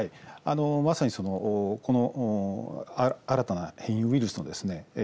まさに新たな変異ウイルスのですね